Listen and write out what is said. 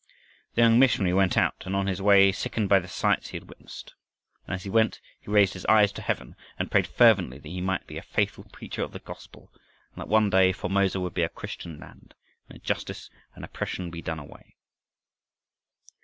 The young missionary went out and on his way sickened by the sights he had witnessed. And as he went, he raised his eyes to heaven and prayed fervently that he might be a faithful preacher of the gospel, and that one day Formosa would be a Christian land and injustice and oppression be done away.